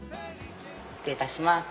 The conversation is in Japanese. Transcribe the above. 失礼いたします